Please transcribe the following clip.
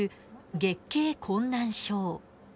月経困難症。